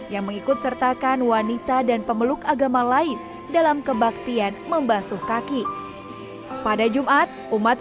yang mengikut sertakan wanita dan pemeluk agama lain dalam kebaktian membasuh kaki pada jumat umat